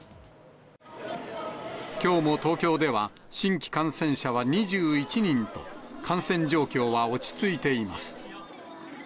きょうも東京では新規感染者は２１人と、感染状況は落ち着いています。